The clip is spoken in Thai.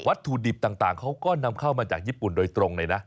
ถุดิบต่างเขาก็นำเข้ามาจากญี่ปุ่นโดยตรงเลยนะ